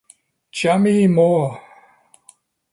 Jamie Moore.